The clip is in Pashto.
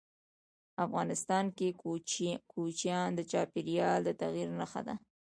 افغانستان کې کوچیان د چاپېریال د تغیر نښه ده.